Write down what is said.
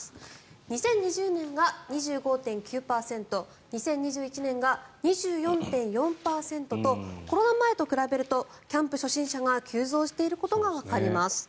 ２０２０年は２５．９％２０２１年が２４．４％とコロナ前と比べるとキャンプ初心者が急増していることがわかります。